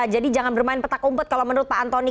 jadi jangan bermain petak umpet kalau menurut pak antoni